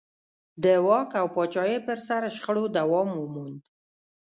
د واک او پاچاهۍ پر سر شخړو دوام وموند.